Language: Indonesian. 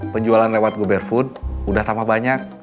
penjualan lewat goberfood udah tambah banyak